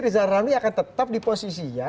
rizal ramli akan tetap di posisinya